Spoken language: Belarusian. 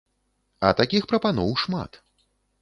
А такіх прапаноў шмат.